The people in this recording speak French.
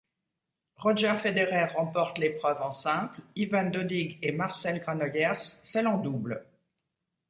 Roger Federer remporte l'épreuve en simple, Ivan Dodig et Marcel Granollers celle en double.